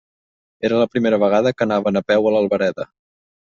Era la primera vegada que anaven a peu a l'Albereda.